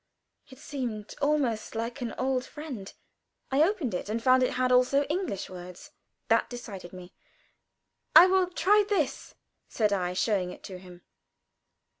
It seemed almost like an old friend. I opened it, and found it had also English words. That decided me. "I will try this," said I, showing it to him.